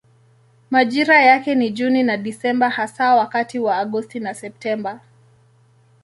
Majira yake ni Juni na Desemba hasa wakati wa Agosti na Septemba.